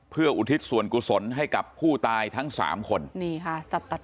เพื่ออุทิศส่วนกุศลให้กับผู้ตายทั้งสามคนนี่ค่ะจับตัด